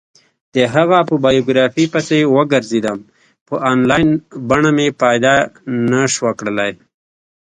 د هغه په بایوګرافي پسې وگرځېدم، په انلاین بڼه مې پیدا نه شوه کړلی.